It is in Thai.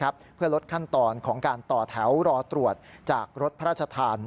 เพื่อลดขั้นตอนของการต่อแถวรอตรวจจากรถพระราชทาน